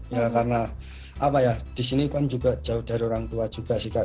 ya karena apa ya di sini kan juga jauh dari orang tua juga sih kak